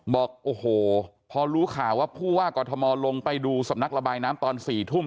บอกโอ้โหพอรู้ข่าวว่าผู้ว่ากอทมลงไปดูสำนักระบายน้ำตอน๔ทุ่ม